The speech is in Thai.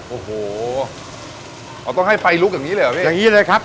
โอ้โหเขาต้องให้ไฟลุกอย่างนี้เลยเหรอพี่อย่างนี้เลยครับ